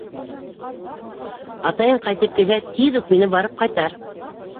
— Атайың ҡайтып килһә, тиҙ үк мине барып ҡайтар.